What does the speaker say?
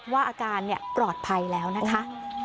ว่าอาการปลอดภัยแล้วนะคะ